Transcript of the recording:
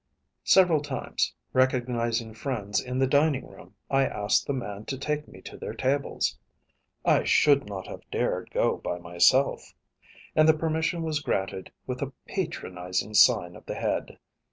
Several times, recognizing friends in the dining room, I asked the man to take me to their tables (I should not have dared go by myself), and the permission was granted with a patronizing sign of the head.